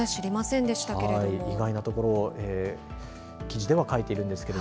意外なことを記事では書いています。